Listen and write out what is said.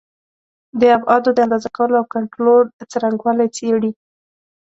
د ابعادو د اندازه کولو او کنټرول څرنګوالي څېړي.